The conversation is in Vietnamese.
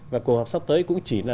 và cuộc họp sắp tới cũng chỉ là